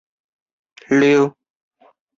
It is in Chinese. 银州柴胡为伞形科柴胡属下的一个种。